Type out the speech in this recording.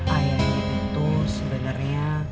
ayahnya itu sebenarnya